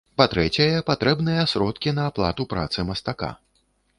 Па-трэцяе, патрэбныя сродкі на аплату працы мастака.